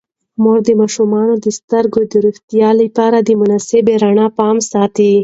مور د ماشومانو د سترګو د روغتیا لپاره د مناسب رڼا پام ساتي.